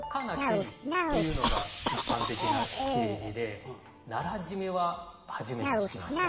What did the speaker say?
「けり」というのが一般的な切れ字でならじめは初めて聞きました。